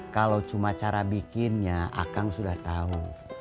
kalau cuma cara bikinnya akang sudah tahu